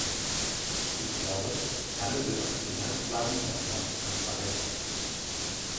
Ich glaube, damit wird auch die Finanzplanung nochmals transparenter.